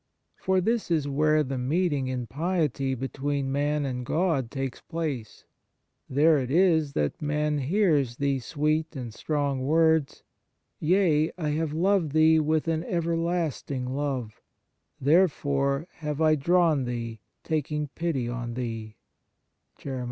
For this is where the meet ing in piety between man and God takes place ; there it is that man hears these sweet and strong words :" Yea, I have loved thee with an ever lasting love ; therefore have I drawn thee, taking pity on thee.